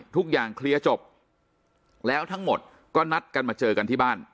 ทุกอย่างเคลียร์จบแล้วทั้งหมดก็นัดกันมาเจอกันที่บ้าน